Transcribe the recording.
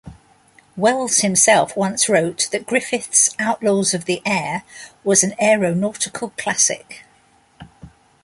Wells himself once wrote that Griffith's "Outlaws of the Air" was an "aeronautical classic.